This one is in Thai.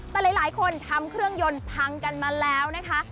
แต่หลายคนทำเครื่องยนต์พังกันมาแล้วนะคะ